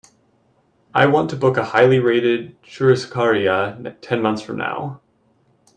I want to book a highly rated churrascaria ten months from now.